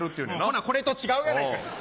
ほなこれと違うやないかい。